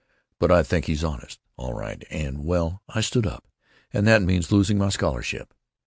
But I think he's honest, all right, and, well, I stood up, and that means losing my scholarship.